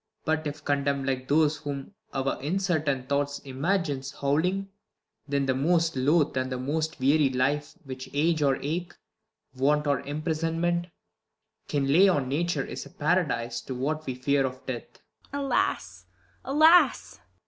But if condemn'd like those Whom our incertain thought imagines howling ; Then the most loath'd and the most weary life Which age, or ache, want, or imprisonment Can lay on nature, is a paradise To what we fear of death. IsAB. Alas, alas